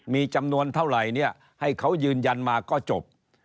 มีจำนวนเท่าไหร่เนี่ยให้เขายืนยันมาก็จบ